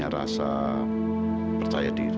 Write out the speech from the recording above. bahkan dia bisa menyanyihe vinu